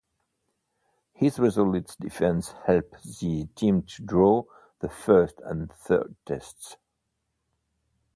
His resolute defence helped the team draw the First and Third Tests.